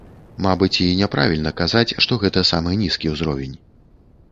Мабыць, і няправільна казаць, што гэта самы нізкі ўзровень.